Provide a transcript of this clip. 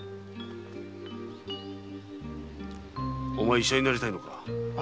医者になりたいのか？